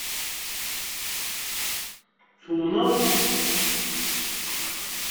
Tumneḍ?